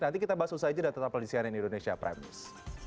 nanti kita bahas itu saja di data pelajaran indonesia prime news